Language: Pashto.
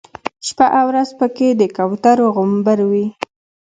شپه او ورځ په کې د کوترو غومبر وي.